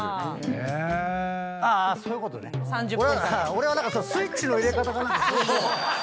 俺はスイッチの入れ方か何か。